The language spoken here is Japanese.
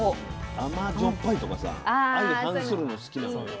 甘じょっぱいとかさ相反するの好きなのよ。